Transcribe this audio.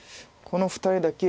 この２人だけ。